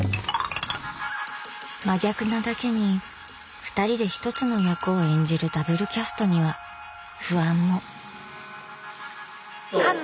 真逆なだけにふたりでひとつの役を演じる「ダブルキャスト」には不安も。